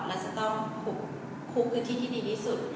และจะต้องคุกพื้นที่ที่ดีที่สุด